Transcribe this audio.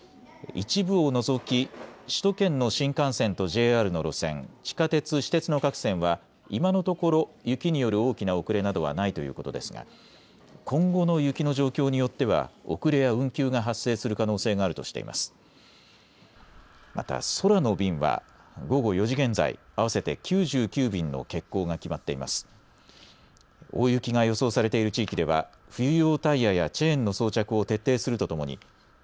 一部を除き、首都圏の新幹線とＪＲの路線、地下鉄、私鉄の各線は、今のところ、雪による大きな遅れなどはないということですが、今後の雪の状況によっては、遅れや運休が発生する可能性があるとしています。